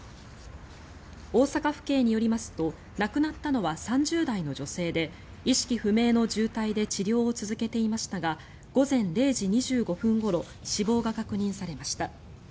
大阪府警によりますと亡くなったのは３０代の女性で意識不明の重体で治療を続けていましたが午前０時２５分ごろ死亡が確認されました。